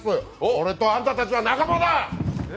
俺とあんたたちは仲間だ！